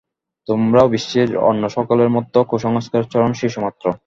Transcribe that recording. তোমরাও বিশ্বের অন্য সকলের মত কুসংস্কারাচ্ছন্ন শিশু মাত্র।